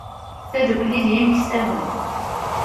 Tadukli d yimeksawen.